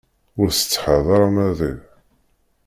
Ur tessetḥaḍ ara maḍi?